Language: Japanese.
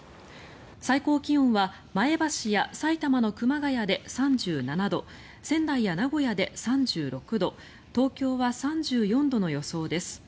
最高気温は前橋や埼玉の熊谷で３７度仙台や名古屋で３６度東京は３４度の予想です。